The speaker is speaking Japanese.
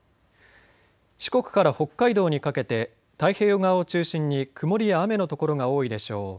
四国から北海道にかけて太平洋側を中心に曇りや雨の所が多いでしょう。